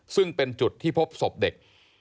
ซึ่งเป็นจุดที่พบศพเด็ก